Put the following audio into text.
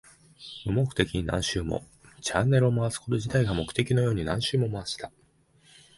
無目的に何周も。チャンネルを回すこと自体が目的のように何周も回した。